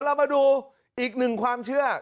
เรามาดูอีกหนึ่งความเชื่อ